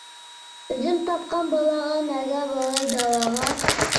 ئۆزۈم تاپقان بالاغا، نەگە باراي داۋاغا.